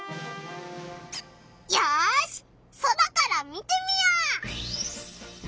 よし空から見てみよう！